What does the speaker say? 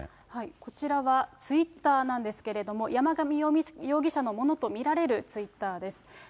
こちらはツイッターなんですけれども、山上容疑者のものと見られるツイッターです。